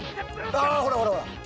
ああっほらほらほら！